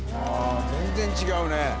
全然違うね。